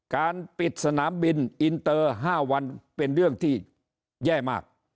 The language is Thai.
การปิดสนามบินอินเตอร์๕วันเป็นเรื่องที่แย่มาก